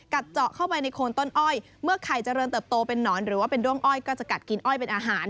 เจาะเข้าไปในโคนต้นอ้อยเมื่อไข่เจริญเติบโตเป็นนอนหรือว่าเป็นด้วงอ้อยก็จะกัดกินอ้อยเป็นอาหาร